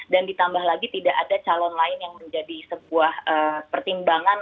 dan ditambah lagi tidak ada calon lain yang menjadi sebuah pertimbangan